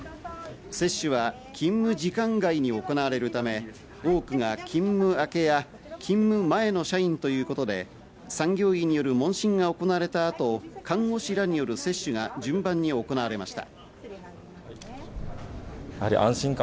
接種が勤務時間外に行われるため、多くが勤務明けや勤務前の社員ということで産業医による問診が行われた後、看護師らによる接種が順番に行われました。